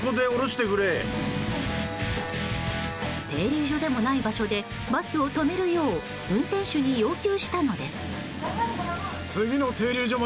停留所でもない場所でバスを止めるよう運転手に要求したのです。